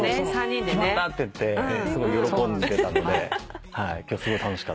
「決まった！」って言ってすごい喜んでたので今日すごい楽しかったです。